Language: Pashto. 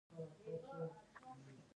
ایا ستاسو استادان نه ویاړي؟